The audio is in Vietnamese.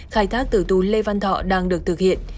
khai thác tử tù lê văn thọ đang được thực hiện